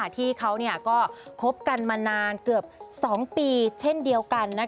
ที่เขาก็คบกันมานานเกือบ๒ปีเช่นเดียวกัน